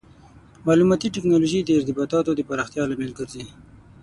مالوماتي ټکنالوژي د ارتباطاتو د پراختیا لامل ګرځي.